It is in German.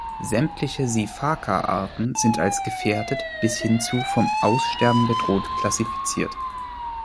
Sämtliche Sifaka-Arten sind als „gefährdet“ bis hin zu „vom Aussterben bedroht“ klassifiziert.